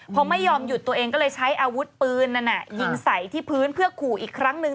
พอไม่ยอมหยุดตัวเองก็เลยใช้อาวุธปืนนั้นยิงใส่ที่พื้นเพื่อขู่อีกครั้งหนึ่ง